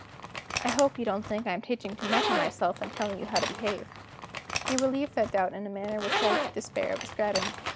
I hope you don't think I am taking too much on myself in telling you how to behave." He relieved that doubt in a manner which I despair of describing.